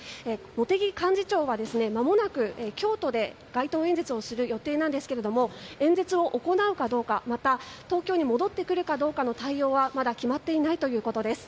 茂木幹事長はまもなく京都で街頭演説をする予定なんですけども演説を行うかどうかまた、東京に戻ってくるかどうかの対応はまだ決まっていないということです。